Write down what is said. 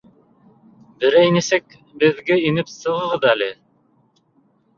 Берәй нисек беҙгә инеп сығығыҙ әле